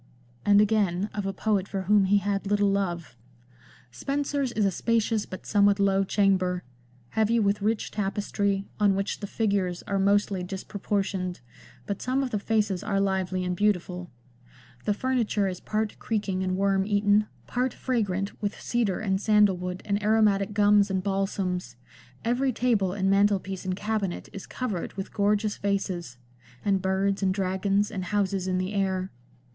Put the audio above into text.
And again, of a poet for whom he had little love :—" Spenser's is a spacious but somewhat low chamber, heavy with rich tapestry, on which the figures are mostly dispro portioned, but some of the faces are lively and beautiful ; the furniture is part creaking and worm eaten, part fragrant with cedar and sandal wood and aromatic gums and balsams ; every table and mantelpiece and cabinet is covered with gorgeous vases, and birds, and dragons, and houses in the air."